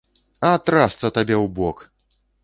А трасца табе ў бок!